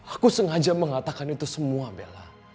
aku sengaja mengatakan itu semua bela